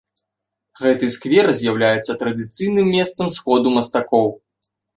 Гэты сквер з'яўляецца традыцыйным месцам сходу мастакоў.